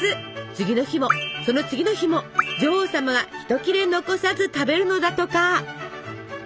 次の日もその次の日も女王様が一切れ残さず食べるのだとか。